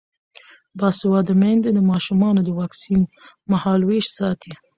باسواده میندې د ماشومانو د واکسین مهالویش ساتي.